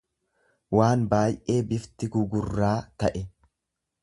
waan baay'ee bifti gugurraa ta'e.